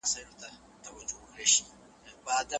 ما فلانی کار وکړ.